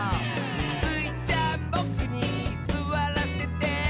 「スイちゃんボクにすわらせて？」